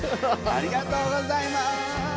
ありがとうございます！